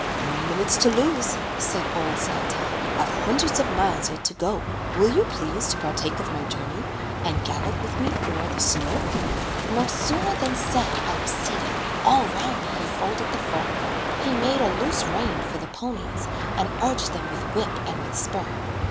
"No minutes to lose," said old Santa, "I've hundreds of miles yet to go. Will you please to partake of my journey, And gallop with me o'er the snow?" No sooner than said I was seated, All 'round me he folded the fur. He made a loose rein for the ponies, And urged them with whip and with spur.